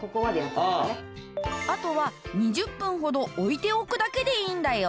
あとは２０分ほど置いておくだけでいいんだよ。